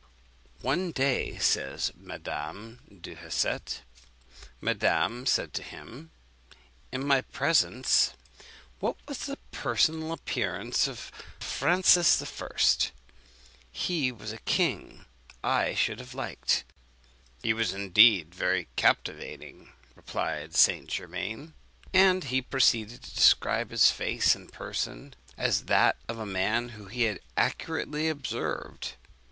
"One day," says Madame du Hausset, "madame said to him, in my presence, 'What was the personal appearance of Francis I.? He was a king I should have liked.' 'He was, indeed, very captivating,' replied St. Germain; and he proceeded to describe his face and person, as that of a man whom he had accurately observed.